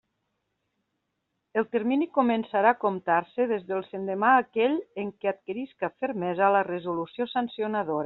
El termini començarà a comptar-se des del sendemà a aquell en què adquirisca fermesa la resolució sancionadora.